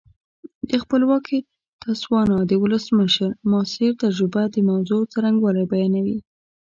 د خپلواکې تسوانا ولسمشر ماسیر تجربه د موضوع څرنګوالی بیانوي.